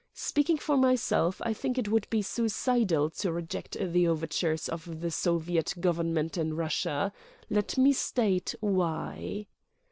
Speaking for myself, I think it would be suicidal to reject the overtures of the Soviet Government in Russia. Let me state why."